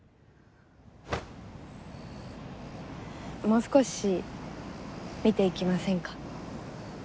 もう少し見ていきませんか？